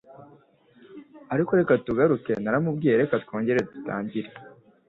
Ariko reka tugaruke naramubwiye reka twongere dutangire